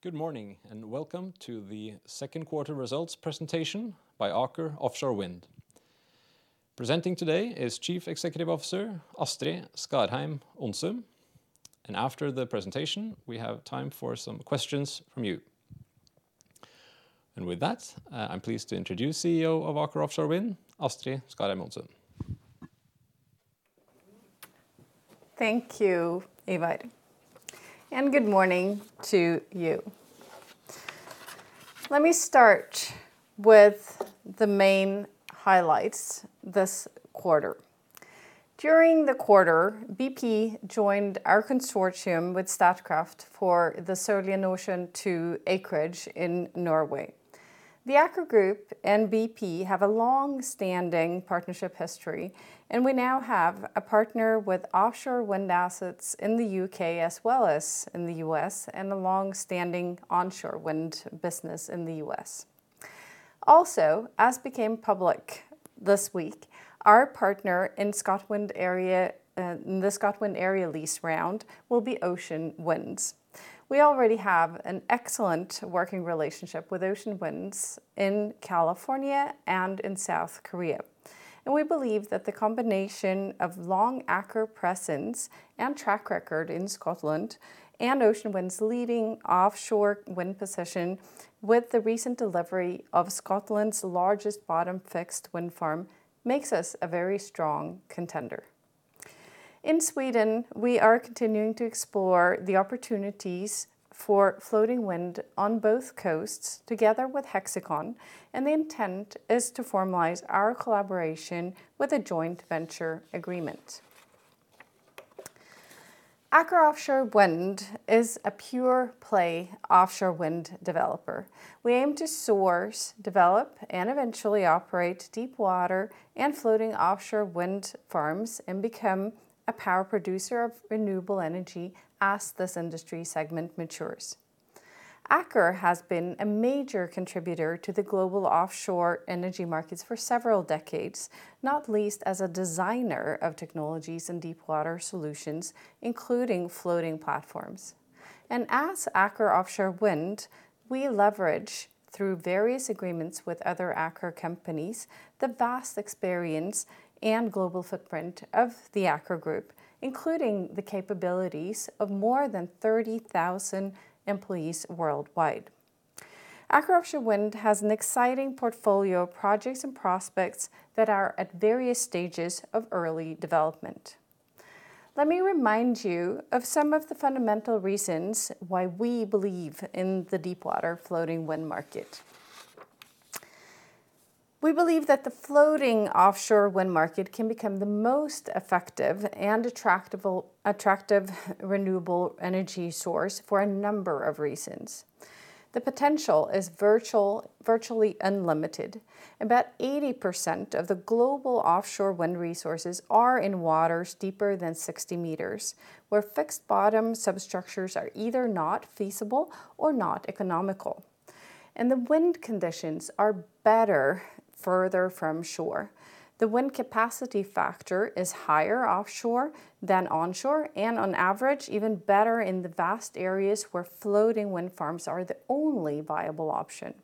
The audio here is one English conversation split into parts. Good morning, and welcome to the second quarter results presentation by Aker Offshore Wind. Presenting today is Chief Executive Officer Astrid Skarheim Onsum. After the presentation, we have time for some questions from you. With that, I'm pleased to introduce CEO of Aker Offshore Wind, Astrid Skarheim Onsum. Thank you, Eivind, and good morning to you. Let me start with the main highlights this quarter. During the quarter, bp joined our consortium with Statkraft for the Sørlige Nordsjø II acreage in Norway. The Aker Group and bp have a longstanding partnership history. We now have a partner with offshore wind assets in the U.K. as well as in the U.S., and a longstanding onshore wind business in the U.S. As became public this week, our partner in the Scotland area lease round will be Ocean Winds. We already have an excellent working relationship with Ocean Winds in California and in South Korea. We believe that the combination of long Aker presence and track record in Scotland and Ocean Winds' leading offshore wind position with the recent delivery of Scotland's largest bottom fixed wind farm makes us a very strong contender. In Sweden, we are continuing to explore the opportunities for floating wind on both coasts together with Hexicon. The intent is to formalize our collaboration with a joint venture agreement. Aker Offshore Wind is a pure play offshore wind developer. We aim to source, develop, and eventually operate deepwater and floating offshore wind farms and become a power producer of renewable energy as this industry segment matures. Aker has been a major contributor to the global offshore energy markets for several decades, not least as a designer of technologies and deepwater solutions, including floating platforms. As Aker Offshore Wind, we leverage through various agreements with other Aker companies, the vast experience and global footprint of the Aker Group, including the capabilities of more than 30,000 employees worldwide. Aker Offshore Wind has an exciting portfolio of projects and prospects that are at various stages of early development. Let me remind you of some of the fundamental reasons why we believe in the deepwater floating wind market. We believe that the floating offshore wind market can become the most effective and attractive renewable energy source for a number of reasons. The potential is virtually unlimited. About 80% of the global offshore wind resources are in waters deeper than 60 m, where fixed bottom substructures are either not feasible or not economical. The wind conditions are better further from shore. The wind capacity factor is higher offshore than onshore, and on average, even better in the vast areas where floating wind farms are the only viable option.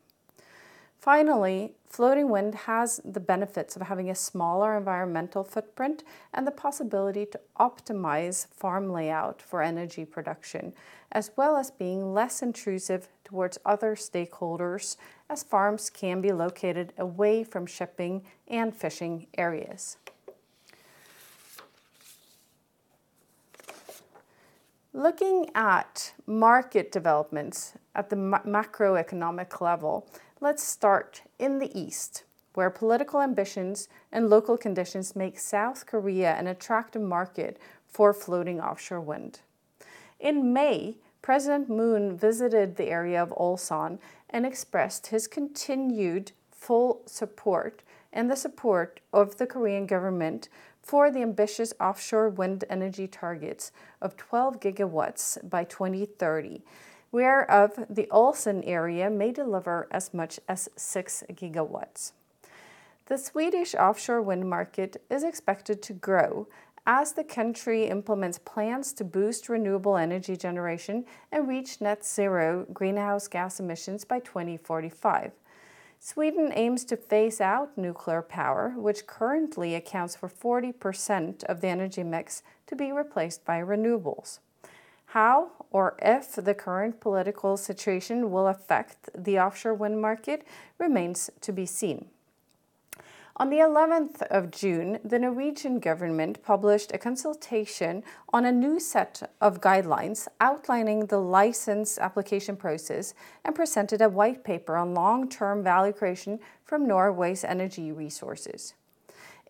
Floating wind has the benefits of having a smaller environmental footprint and the possibility to optimize farm layout for energy production, as well as being less intrusive towards other stakeholders as farms can be located away from shipping and fishing areas. Looking at market developments at the macroeconomic level, let's start in the East, where political ambitions and local conditions make South Korea an attractive market for floating offshore wind. In May, President Moon visited the area of Ulsan and expressed his continued full support and the support of the Korean government for the ambitious offshore wind energy targets of 12 GW by 2030, where of the Ulsan area may deliver as much as 6 GW. The Swedish offshore wind market is expected to grow as the country implements plans to boost renewable energy generation and reach net zero greenhouse gas emissions by 2045. Sweden aims to phase out nuclear power, which currently accounts for 40% of the energy mix to be replaced by renewables. How or if the current political situation will affect the offshore wind market remains to be seen. On June 11th, the Norwegian government published a consultation on a new set of guidelines outlining the license application process and presented a whitepaper on long-term valuation from Norway's energy resources.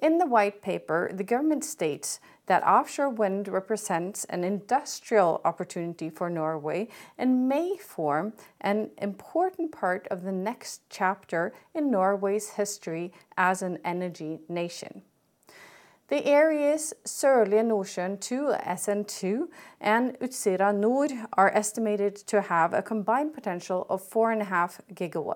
In the whitepaper, the government states that offshore wind represents an industrial opportunity for Norway and may form an important part of the next chapter in Norway's history as an energy nation. The areas Sørlige Nordsjø II, SN2, and Utsira Nord are estimated to have a combined potential of 4.5 GW.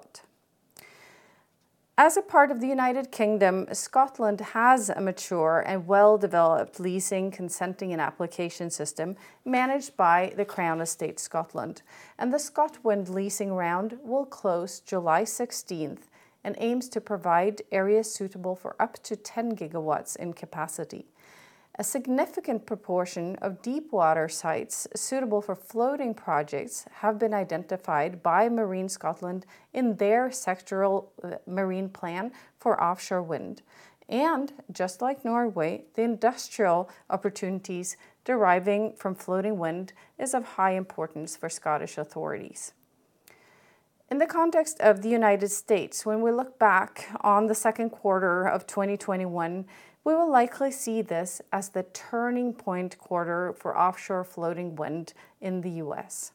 As a part of the United Kingdom, Scotland has a mature and well-developed leasing, consenting, and application system managed by the Crown Estate Scotland. The ScotWind leasing round will close July 16th and aims to provide areas suitable for up to 10 GW in capacity. A significant proportion of deepwater sites suitable for floating projects have been identified by Marine Scotland in their sectoral marine plan for offshore wind. Just like Norway, the industrial opportunities deriving from floating wind is of high importance for Scottish authorities. In the context of the United States, when we look back on the second quarter of 2021, we will likely see this as the turning point quarter for offshore floating wind in the U.S.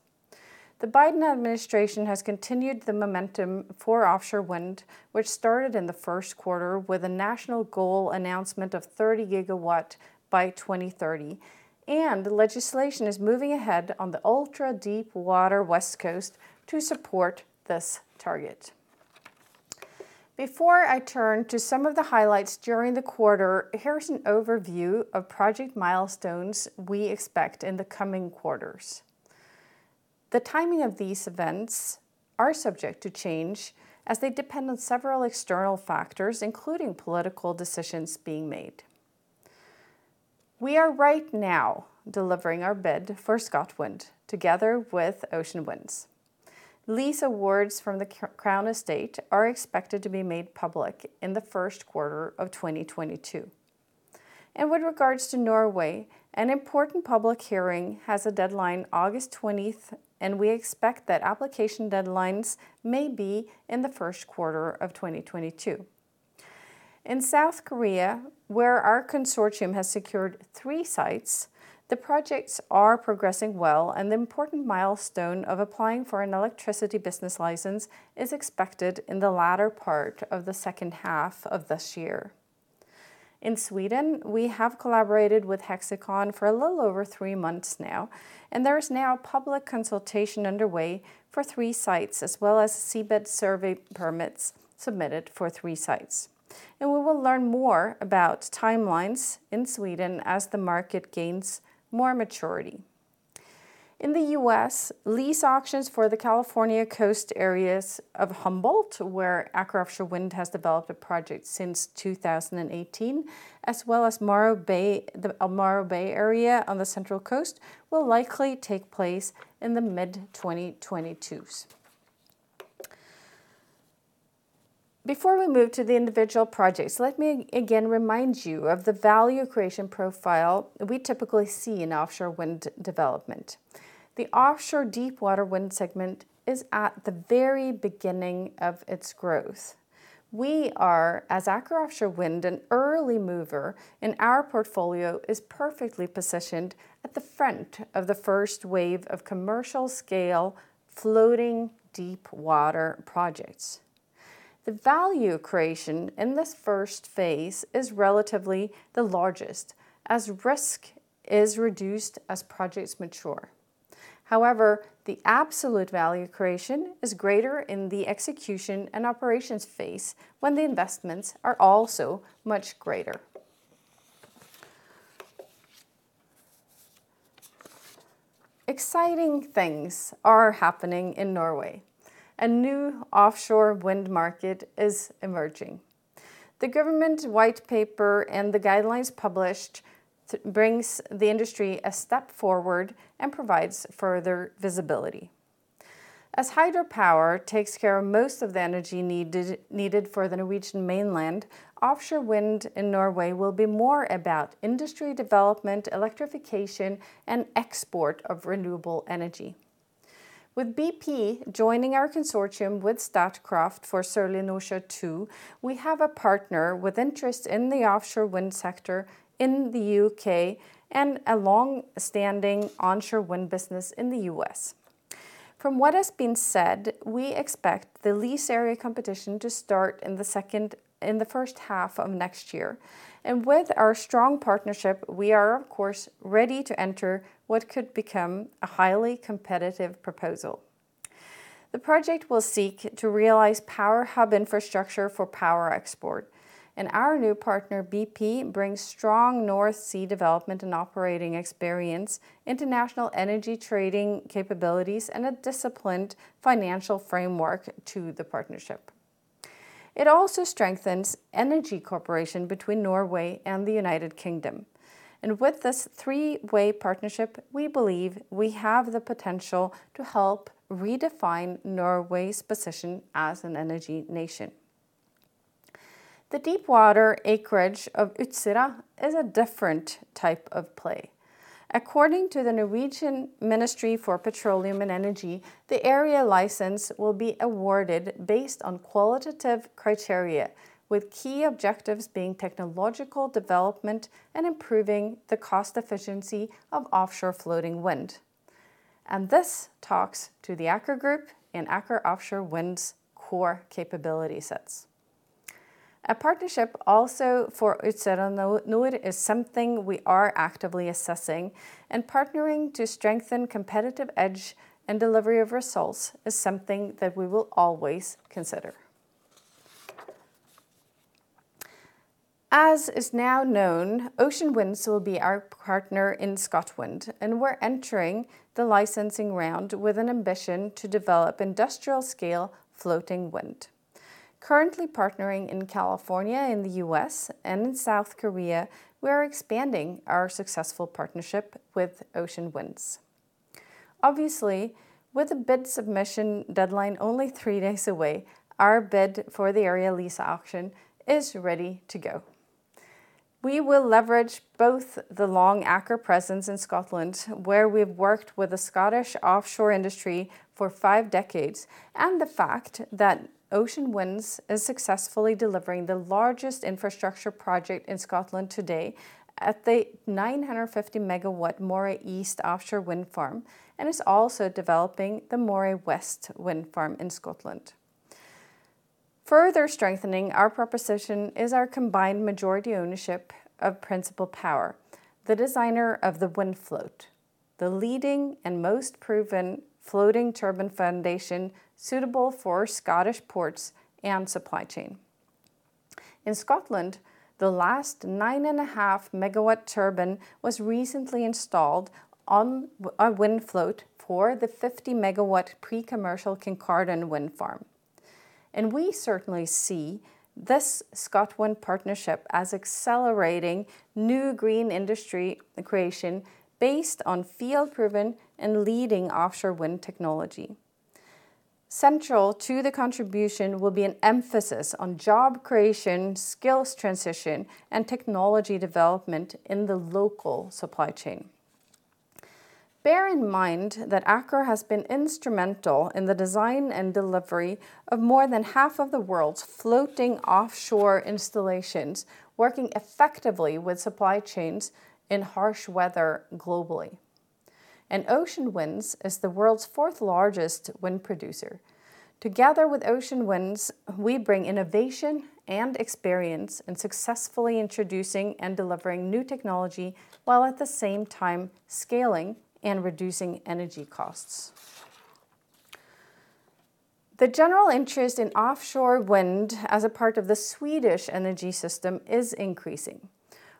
The Biden administration has continued the momentum for offshore wind, which started in the first quarter with a national goal announcement of 30 GW by 2030. Legislation is moving ahead on the ultra-deep water West Coast to support this target. Before I turn to some of the highlights during the quarter, here's an overview of project milestones we expect in the coming quarters. The timing of these events are subject to change as they depend on several external factors, including political decisions being made. We are right now delivering our bid for ScotWind together with Ocean Winds. Lease awards from the Crown Estate are expected to be made public in the first quarter of 2022. With regards to Norway, an important public hearing has a deadline August 20th, and we expect that application deadlines may be in the first quarter of 2022. In South Korea, where our consortium has secured three sites, the projects are progressing well, and the important milestone of applying for an electricity business license is expected in the latter part of the second half of this year. In Sweden, we have collaborated with Hexicon for a little over three months now, and there is now public consultation underway for three sites, as well as seabed survey permits submitted for three sites. We will learn more about timelines in Sweden as the market gains more maturity. In the U.S., lease auctions for the California coast areas of Humboldt, where Aker Offshore Wind has developed a project since 2018, as well as the Morro Bay area on the Central Coast will likely take place in the mid-2022. Before we move to the individual projects, let me again remind you of the value creation profile we typically see in offshore wind development. The offshore deepwater wind segment is at the very beginning of its growth. We are, as Aker Offshore Wind, an early mover, and our portfolio is perfectly positioned at the front of the first wave of commercial-scale floating deepwater projects. The value creation in this first phase is relatively the largest as risk is reduced as projects mature. However, the absolute value creation is greater in the execution and operations phase when the investments are also much greater. Exciting things are happening in Norway. A new offshore wind market is emerging. The government white paper and the guidelines published brings the industry a step forward and provides further visibility. As hydropower takes care of most of the energy needed for the Norwegian mainland, offshore wind in Norway will be more about industry development, electrification, and export of renewable energy. With bp joining our consortium with Statkraft for Sørlige Nordsjø II, we have a partner with interest in the offshore wind sector in the U.K. and a longstanding onshore wind business in the U.S. From what has been said, we expect the lease area competition to start in the first half of next year. With our strong partnership, we are, of course, ready to enter what could become a highly competitive proposal. The project will seek to realize power hub infrastructure for power export, and our new partner, BP, brings strong North Sea development and operating experience, international energy trading capabilities, and a disciplined financial framework to the partnership. It also strengthens energy cooperation between Norway and the United Kingdom. With this three-way partnership, we believe we have the potential to help redefine Norway's position as an energy nation. The deepwater acreage of Utsira is a different type of play. According to the Norwegian Ministry of Petroleum and Energy, the area license will be awarded based on qualitative criteria, with key objectives being technological development and improving the cost efficiency of offshore floating wind. This talks to the Aker Group and Aker Offshore Wind's core capability sets. A partnership also for Utsira Nord is something we are actively assessing, and partnering to strengthen competitive edge and delivery of results is something that we will always consider. As is now known, Ocean Winds will be our partner in ScotWind, and we're entering the licensing round with an ambition to develop industrial-scale floating wind. Currently partnering in California in the U.S. and in South Korea, we are expanding our successful partnership with Ocean Winds. Obviously, with a bid submission deadline only three days away, our bid for the area lease auction is ready to go. We will leverage both the long Aker presence in Scotland, where we've worked with the Scottish offshore industry for five decades, and the fact that Ocean Winds is successfully delivering the largest infrastructure project in Scotland today at the 950 MW Moray East offshore wind farm, and is also developing the Moray West wind farm in Scotland. Further strengthening our proposition is our combined majority ownership of Principle Power, the designer of the WindFloat, the leading and most proven floating turbine foundation suitable for Scottish ports and supply chain. In Scotland, the last 9.5 MW turbine was recently installed on a WindFloat for the 50 MW pre-commercial Kincardine wind farm. We certainly see this ScotWind partnership as accelerating new green industry creation based on field-proven and leading offshore wind technology. Central to the contribution will be an emphasis on job creation, skills transition, and technology development in the local supply chain. Bear in mind that Aker has been instrumental in the design and delivery of more than half of the world's floating offshore installations, working effectively with supply chains in harsh weather globally. Ocean Winds is the world's fourth-largest wind producer. Together with Ocean Winds, we bring innovation and experience in successfully introducing and delivering new technology, while at the same time scaling and reducing energy costs. The general interest in offshore wind as a part of the Swedish energy system is increasing.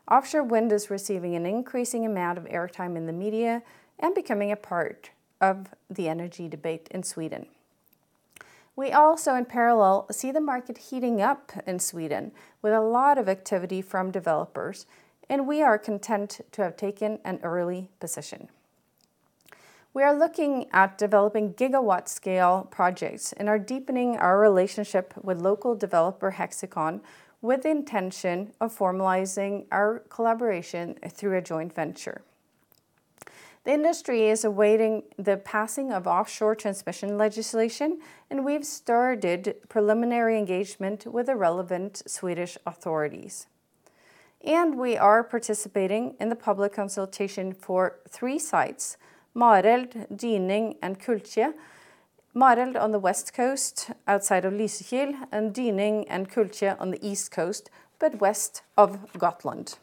Offshore wind is receiving an increasing amount of air time in the media and becoming a part of the energy debate in Sweden. We also, in parallel, see the market heating up in Sweden with a lot of activity from developers, and we are content to have taken an early position. We are looking at developing gigawatt-scale projects and are deepening our relationship with local developer Hexicon with the intention of formalizing our collaboration through a joint venture. The industry is awaiting the passing of offshore transmission legislation, and we've started preliminary engagement with the relevant Swedish authorities. We are participating in the public consultation for three sites, Mareld, Dyning, and Kultje. Mareld on the west coast outside of Lysekil and Dyning and Kultje on the east coast, but west of Gotland.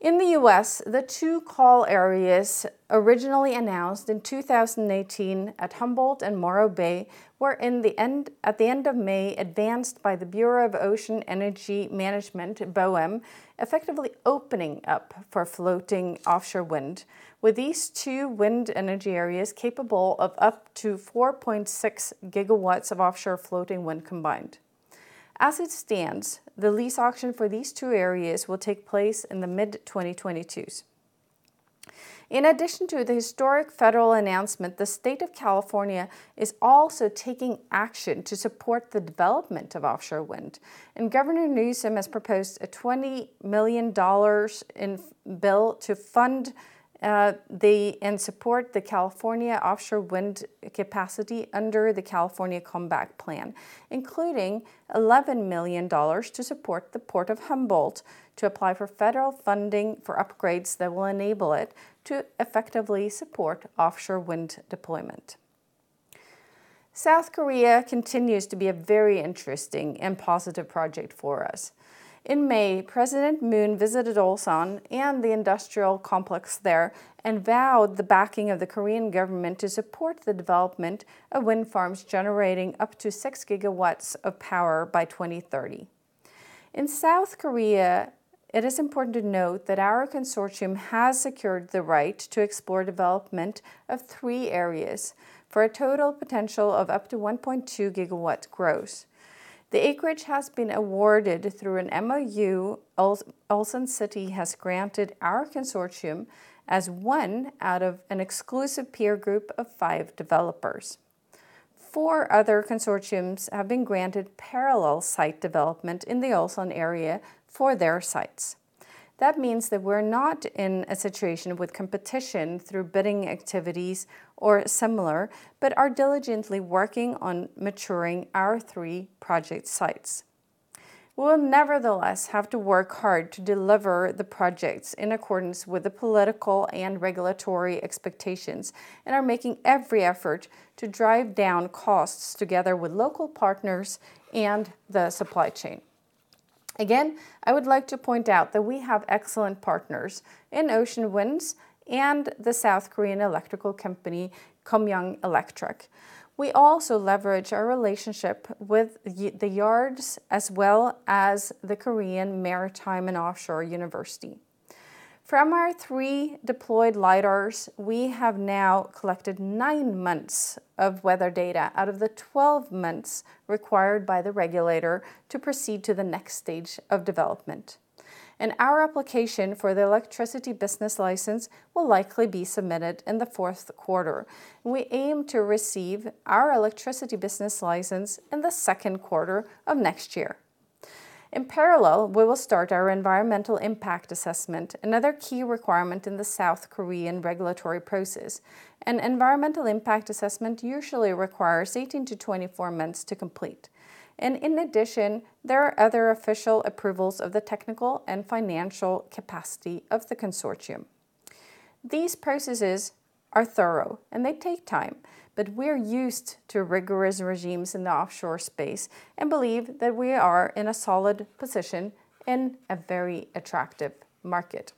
In the U.S., the two call areas originally announced in 2018 at Humboldt and Morro Bay were at the end of May advanced by the Bureau of Ocean Energy Management, BOEM, effectively opening up for floating offshore wind with these two wind energy areas capable of up to 4.6 GW of offshore floating wind combined. As it stands, the lease auction for these two areas will take place in the mid-2022s. In addition to the historic federal announcement, the state of California is also taking action to support the development of offshore wind. Governor Newsom has proposed a $20 million bill to fund and support the California offshore wind capacity under the California Comeback Plan, including $11 million to support the Port of Humboldt to apply for federal funding for upgrades that will enable it to effectively support offshore wind deployment. South Korea continues to be a very interesting and positive project for us. In May, President Moon visited Ulsan and the industrial complex there and vowed the backing of the Korean government to support the development of wind farms generating up to 6 GW of power by 2030. In South Korea, it is important to note that our consortium has secured the right to explore development of three areas for a total potential of up to 1.2 GW gross. The acreage has been awarded through an MOU Ulsan City has granted our consortium as one out of an exclusive peer group of five developers. Four other consortiums have been granted parallel site development in the Ulsan area for their sites. That means that we're not in a situation with competition through bidding activities or similar, but are diligently working on maturing our three project sites. We will nevertheless have to work hard to deliver the projects in accordance with the political and regulatory expectations, and are making every effort to drive down costs together with local partners and the supply chain. Again, I would like to point out that we have excellent partners in Ocean Winds and the South Korean electrical company, Kumyang Electric. We also leverage our relationship with the yards, as well as the Korea Maritime and Ocean University. From our three deployed LiDARs, we have now collected nine months of weather data out of the 12 months required by the regulator to proceed to the next stage of development. Our application for the electricity business license will likely be submitted in the fourth quarter. We aim to receive our electricity business license in the second quarter of next year. In parallel, we will start our environmental impact assessment, another key requirement in the South Korean regulatory process. An environmental impact assessment usually requires 18 to 24 months to complete, and in addition, there are other official approvals of the technical and financial capacity of the consortium. These processes are thorough, and they take time, but we're used to rigorous regimes in the offshore space and believe that we are in a solid position in a very attractive market.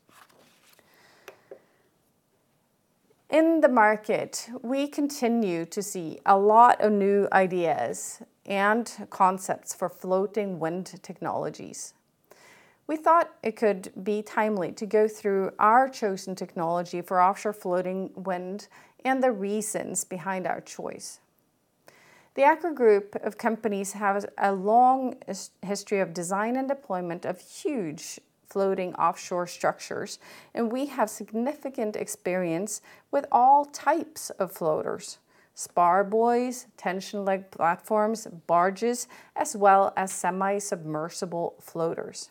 In the market, we continue to see a lot of new ideas and concepts for floating wind technologies. We thought it could be timely to go through our chosen technology for offshore floating wind and the reasons behind our choice. The Aker Group has a long history of design and deployment of huge floating offshore structures. We have significant experience with all types of floaters, spar buoys, tension leg platforms, barges, as well as semi-submersible floaters.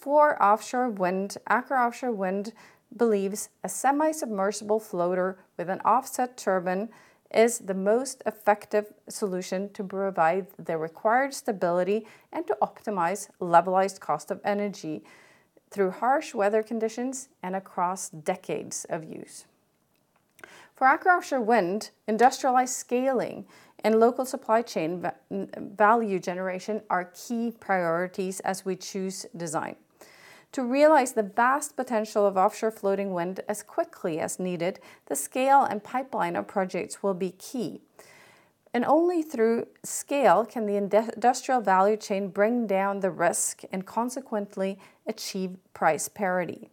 For offshore wind, Aker Offshore Wind believes a semi-submersible floater with an offset turbine is the most effective solution to provide the required stability and to optimize levelized cost of energy through harsh weather conditions and across decades of use. For Aker Offshore Wind, industrialized scaling and local supply chain value generation are key priorities as we choose design. To realize the vast potential of offshore floating wind as quickly as needed, the scale and pipeline of projects will be key. Only through scale can the industrial value chain bring down the risk and consequently achieve price parity.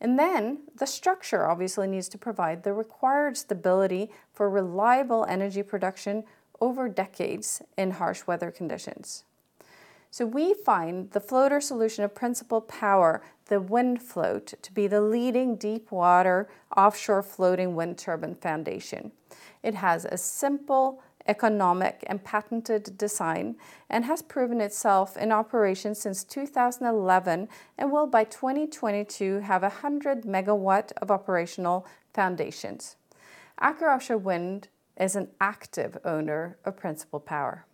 The structure obviously needs to provide the required stability for reliable energy production over decades in harsh weather conditions. We find the floater solution of Principle Power, the WindFloat, to be the leading deep-water offshore floating wind turbine foundation. It has a simple, economic, and patented design and has proven itself in operation since 2011 and will, by 2022, have 100 MW of operational foundations. Aker Offshore Wind is an active owner of Principle Power.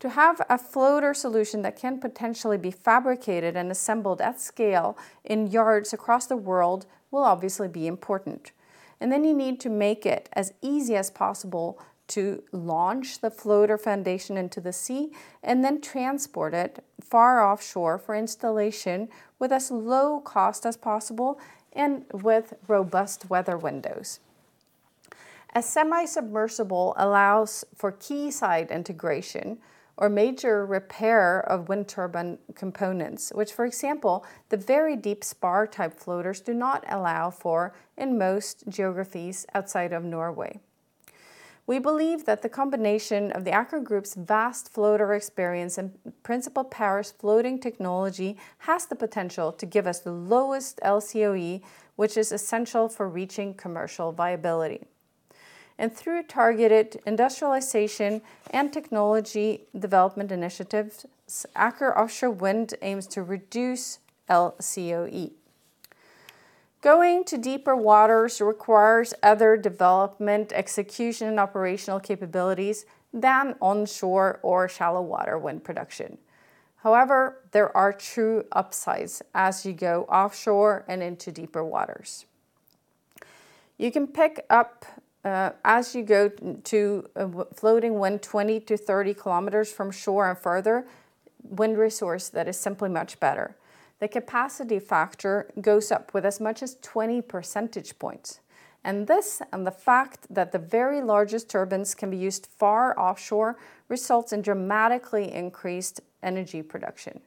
To have a floater solution that can potentially be fabricated and assembled at scale in yards across the world will obviously be important. You need to make it as easy as possible to launch the floater foundation into the sea and then transport it far offshore for installation with as low cost as possible and with robust weather windows. A semi-submersible allows for quayside integration or major repair of wind turbine components, which, for example, the very deep spar-type floaters do not allow for in most geographies outside of Norway. We believe that the combination of the Aker Group's vast floater experience and Principle Power's floating technology has the potential to give us the lowest LCOE, which is essential for reaching commercial viability. Through targeted industrialization and technology development initiatives, Aker Offshore Wind aims to reduce LCOE. Going to deeper waters requires other development execution and operational capabilities than onshore or shallow water wind production. However, there are true upsides as you go offshore and into deeper waters. You can pick up, as you go to floating wind 20 km-30 km from shore and further, wind resource that is simply much better. The capacity factor goes up with as much as 20 percentage points. This, and the fact that the very largest turbines can be used far offshore, results in dramatically increased energy production.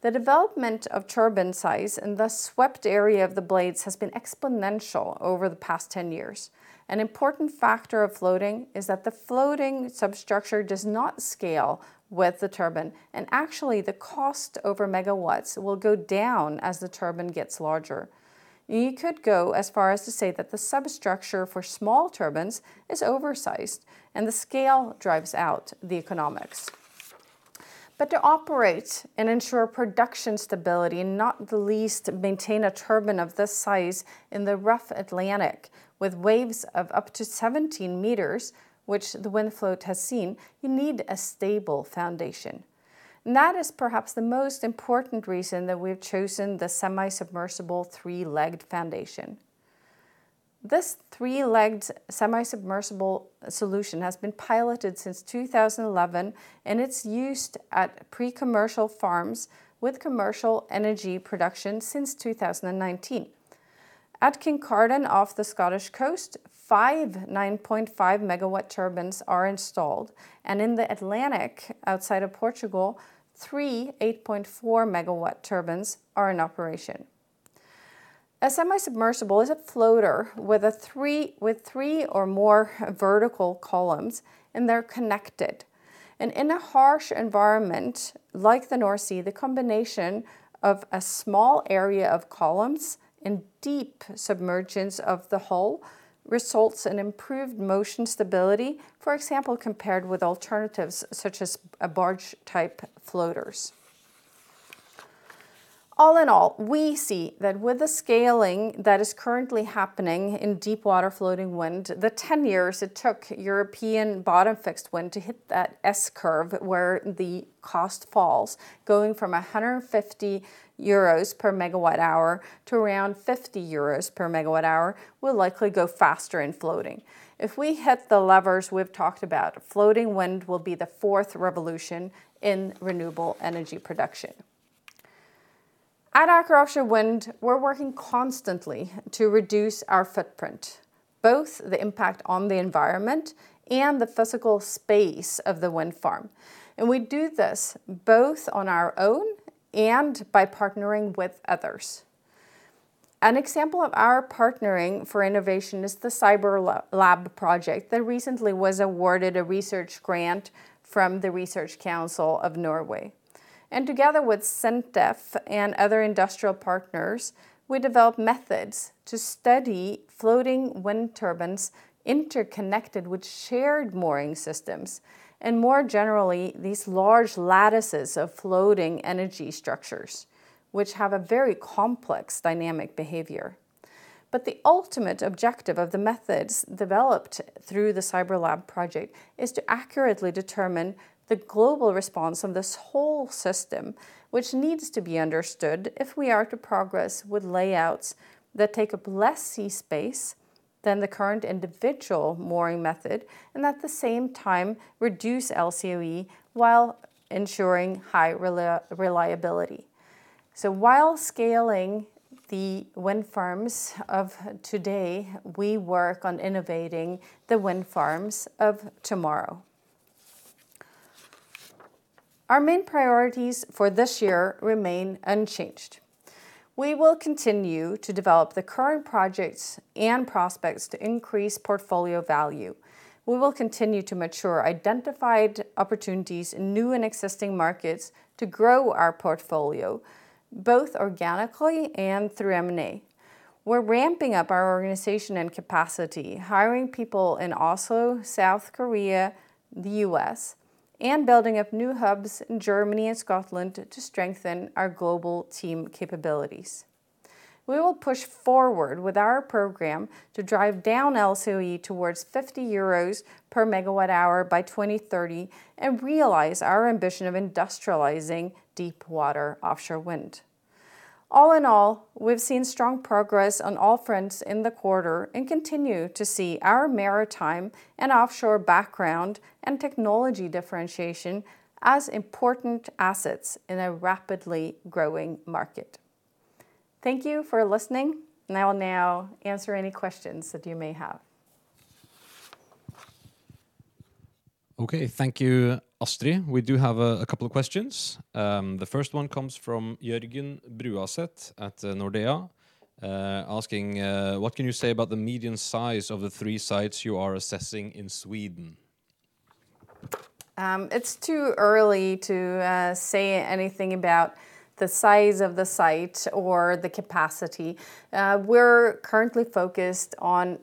The development of turbine size and the swept area of the blades has been exponential over the past 10 years. An important factor of floating is that the floating substructure does not scale with the turbine, and actually, the cost over megawatts will go down as the turbine gets larger. You could go as far as to say that the substructure for small turbines is oversized, and the scale drives out the economics. To operate and ensure production stability, and not the least, maintain a turbine of this size in the rough Atlantic with waves of up to 17 m, which the WindFloat has seen, you need a stable foundation. That is perhaps the most important reason that we've chosen the semi-submersible three-legged foundation. This three-legged semi-submersible solution has been piloted since 2011, and it's used at pre-commercial farms with commercial energy production since 2019. At Kincardine off the Scottish coast, five 9.5 MW turbines are installed, and in the Atlantic outside of Portugal, three 8.4 MW turbines are in operation. A semi-submersible is a floater with three or more vertical columns, and they're connected. In a harsh environment like the North Sea, the combination of a small area of columns and deep submergence of the hull results in improved motion stability, for example, compared with alternatives such as barge-type floaters. All in all, we see that with the scaling that is currently happening in deepwater floating wind, the 10 years it took European bottom-fixed wind to hit that S-curve, where the cost falls going from 150 euros per megawatt hour to around 50 euros per megawatt hour, will likely go faster in floating. If we hit the levers we've talked about, floating wind will be the fourth revolution in renewable energy production. At Aker Offshore Wind, we're working constantly to reduce our footprint, both the impact on the environment and the physical space of the wind farm. We do this both on our own and by partnering with others. An example of our partnering for innovation is the CYBERLAB project that recently was awarded a research grant from the Research Council of Norway. Together with SINTEF and other industrial partners, we developed methods to study floating wind turbines interconnected with shared mooring systems, and more generally, these large lattices of floating energy structures, which have a very complex dynamic behavior. The ultimate objective of the methods developed through the CYBERLAB project is to accurately determine the global response of this whole system, which needs to be understood if we are to progress with layouts that take up less sea space than the current individual mooring method and at the same time reduce LCOE while ensuring high reliability. While scaling the wind farms of today, we work on innovating the wind farms of tomorrow. Our main priorities for this year remain unchanged. We will continue to develop the current projects and prospects to increase portfolio value. We will continue to mature identified opportunities in new and existing markets to grow our portfolio, both organically and through M&A. We're ramping up our organization and capacity, hiring people in Oslo, South Korea, the U.S., and building up new hubs in Germany and Scotland to strengthen our global team capabilities. We will push forward with our program to drive down LCOE towards 50 euros per megawatt hour by 2030 and realize our ambition of industrializing deepwater offshore wind. All in all, we've seen strong progress on all fronts in the quarter and continue to see our maritime and offshore background and technology differentiation as important assets in a rapidly growing market. Thank you for listening. I will now answer any questions that you may have. Okay. Thank you, Astrid. We do have a couple of questions. The first one comes from Jørgen Bruaset at Nordea asking, what can you say about the median size of the three sites you are assessing in Sweden? It's too early to say anything about the size of the site or the capacity. We're currently focused on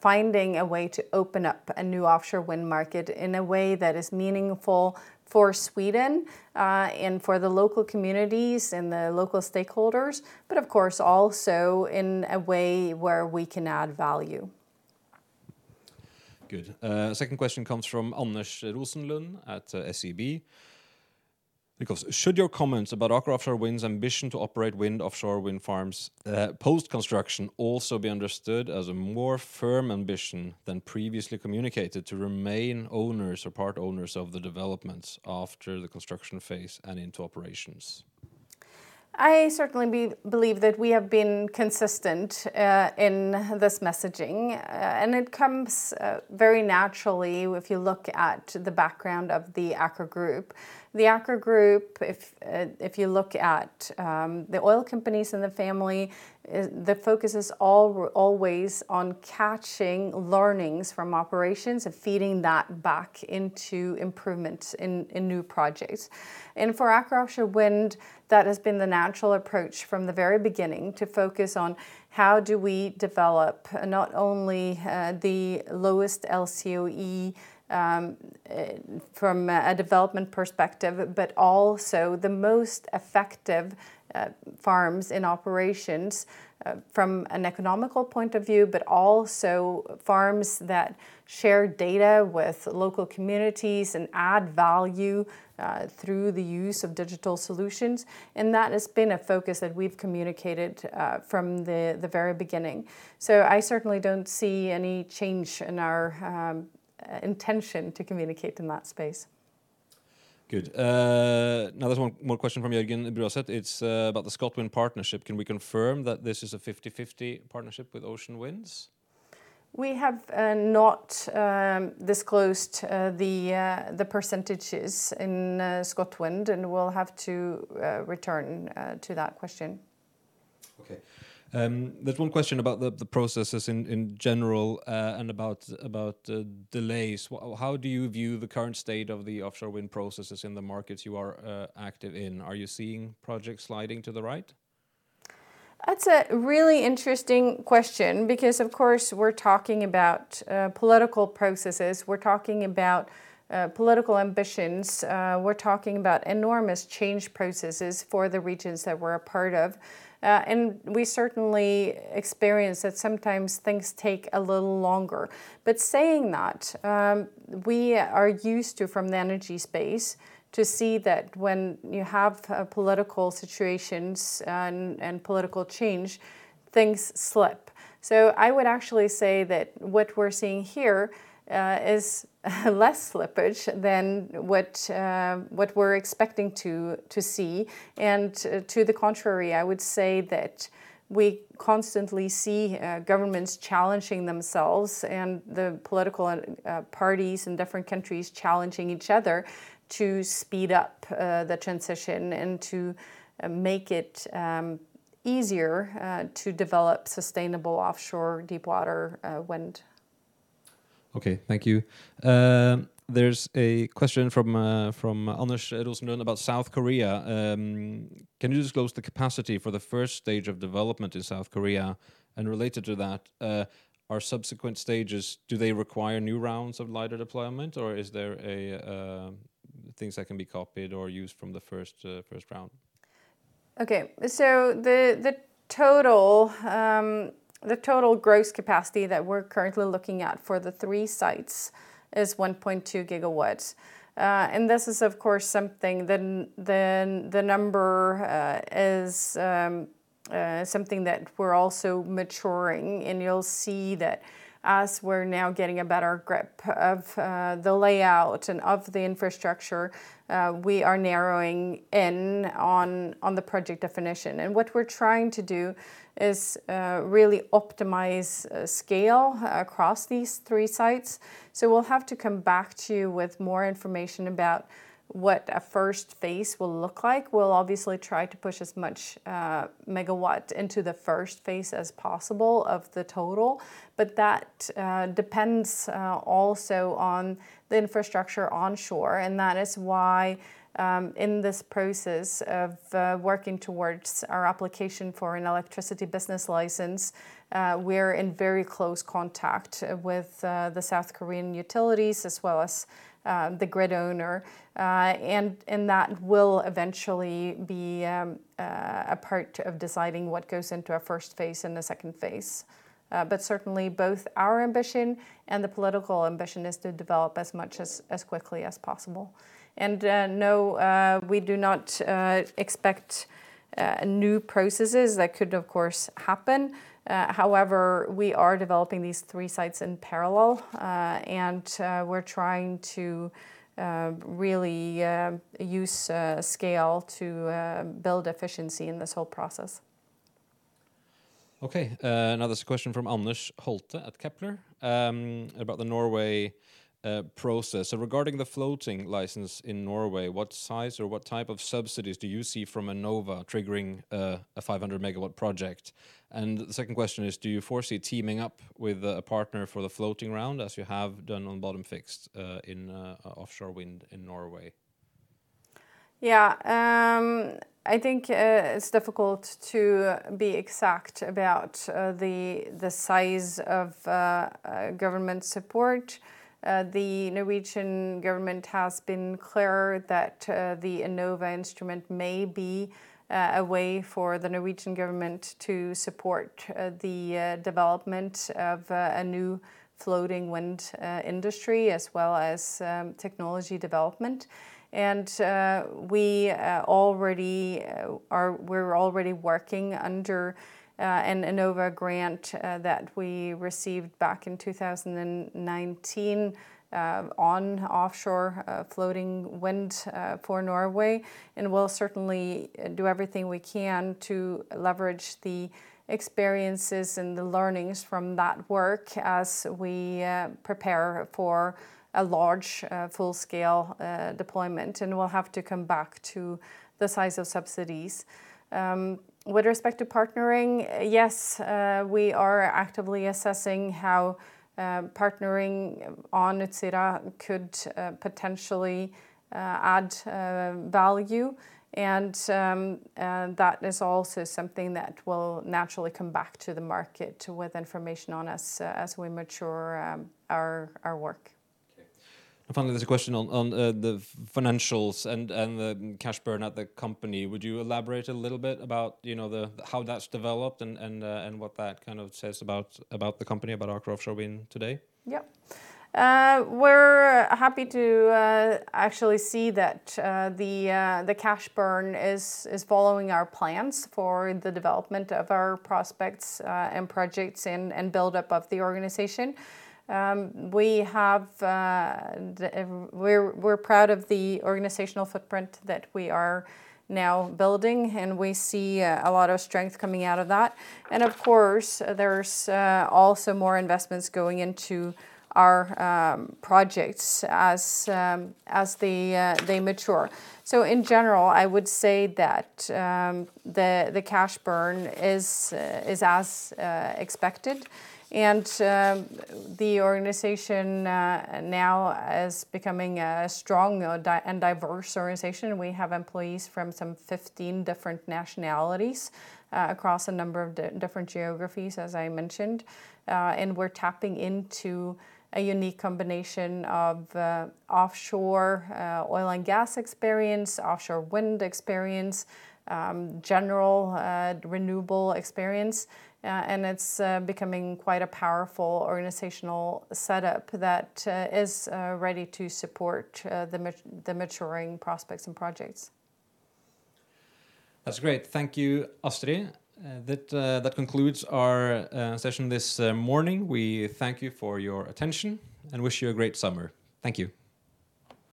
finding a way to open up a new offshore wind market in a way that is meaningful for Sweden and for the local communities and the local stakeholders, but of course also in a way where we can add value. Good. Second question comes from Anders Rosenlund at SEB. Should your comments about Aker Offshore Wind's ambition to operate offshore wind farms post-construction also be understood as a more firm ambition than previously communicated to remain owners or part-owners of the developments after the construction phase and into operations? I certainly believe that we have been consistent in this messaging, and it comes very naturally if you look at the background of the Aker Group. The Aker Group, if you look at the oil companies in the family, the focus is always on catching learnings from operations and feeding that back into improvements in new projects. For Aker Offshore Wind, that has been the natural approach from the very beginning to focus on how do we develop not only the lowest LCOE from a development perspective, but also the most effective farms in operations from an economical point of view, but also farms that share data with local communities and add value through the use of digital solutions. That has been a focus that we've communicated from the very beginning. I certainly don't see any change in our intention to communicate in that space. Good. There's one more question from Jørgen Bruaset. It's about the ScotWind partnership. Can we confirm that this is a 50/50 partnership with Ocean Winds? We have not disclosed the percentages in ScotWind, and we'll have to return to that question. Okay. There's one question about the processes in general and about delays. How do you view the current state of the offshore wind processes in the markets you are active in? Are you seeing projects sliding to the right? That's a really interesting question because, of course, we're talking about political processes. We're talking about political ambitions. We're talking about enormous change processes for the regions that we're a part of. We certainly experience that sometimes things take a little longer. Saying that, we are used to, from the energy space, to see that when you have political situations and political change, things slip. I would actually say that what we're seeing here is less slippage than what we're expecting to see. To the contrary, I would say that we constantly see governments challenging themselves and the political parties in different countries challenging each other to speed up the transition and to make it easier to develop sustainable offshore deep water wind. Okay, thank you. There's a question from Anders Edølsten about South Korea. Can you disclose the capacity for the first stage of development in South Korea? Related to that, are subsequent stages, do they require new rounds of LiDAR deployment, or is there things that can be copied or used from the first round? Okay. The total gross capacity that we're currently looking at for the three sites is 1.2 GW. This is, of course, something that the number is something that we're also maturing, and you'll see that as we're now getting a better grip of the layout and of the infrastructure, we are narrowing in on the project definition. What we're trying to do is really optimize scale across these three sites. We'll have to come back to you with more information about what a first phase will look like. We'll obviously try to push as much megawatt into the first phase as possible of the total, but that depends also on the infrastructure onshore, and that is why in this process of working towards our application for an electricity business license, we're in very close contact with the South Korean utilities as well as the grid owner. That will eventually be a part of deciding what goes into a first phase and a second phase. Certainly, both our ambition and the political ambition is to develop as much as quickly as possible. No, we do not expect new processes. That could, of course, happen. However, we are developing these three sites in parallel, and we are trying to really use scale to build efficiency in this whole process. There's a question from Anders Holte at Kepler about the Norway process. Regarding the floating license in Norway, what size or what type of subsidies do you see from Enova triggering a 500 MW project? The second question is, do you foresee teaming up with a partner for the floating round as you have done on bottom fixed in offshore wind in Norway? I think it's difficult to be exact about the size of government support. The Norwegian government has been clear that the Enova instrument may be a way for the Norwegian government to support the development of a new floating wind industry as well as technology development. We're already working under an Enova grant that we received back in 2019 on offshore floating wind for Norway, and we'll certainly do everything we can to leverage the experiences and the learnings from that work as we prepare for a large, full-scale deployment, and we'll have to come back to the size of subsidies. With respect to partnering, yes, we are actively assessing how partnering on Utsira could potentially add value, and that is also something that will naturally come back to the market with information on as we mature our work. Okay. Finally, there's a question on the financials and the cash burn at the company. Would you elaborate a little bit about how that's developed and what that kind of says about the company, about Aker Offshore Wind today? Yep. We're happy to actually see that the cash burn is following our plans for the development of our prospects and projects and buildup of the organization. We're proud of the organizational footprint that we are now building, and we see a lot of strength coming out of that. Of course, there's also more investments going into our projects as they mature. In general, I would say that the cash burn is as expected, and the organization now is becoming a strong and diverse organization. We have employees from some 15 different nationalities across a number of different geographies, as I mentioned. We're tapping into a unique combination of offshore oil and gas experience, offshore wind experience, general renewable experience. It's becoming quite a powerful organizational setup that is ready to support the maturing prospects and projects. That's great. Thank you, Astrid. That concludes our session this morning. We thank you for your attention and wish you a great summer. Thank you.